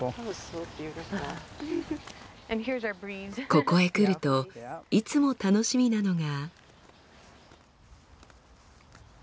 ここへ来るといつも楽しみなのが。